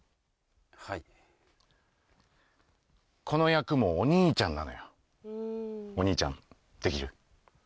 はいこの役もお兄ちゃんなのよお兄ちゃんできる？